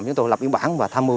chúng tôi lập biên bản và tham mưu